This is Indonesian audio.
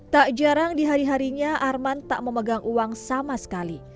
tak jarang di hari harinya arman tak memegang uang sama sekali